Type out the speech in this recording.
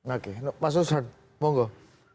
oke pak susan mohon gue